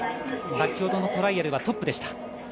先ほどのトライアルはトップでした。